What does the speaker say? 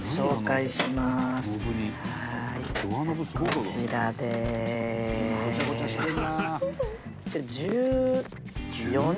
こちらです。